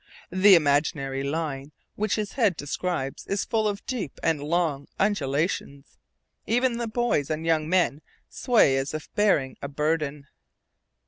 The imaginary line which his head describes is full of deep and long undulations. Even the boys and young men sway as if bearing a burden.